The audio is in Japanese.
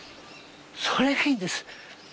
それがいいんです。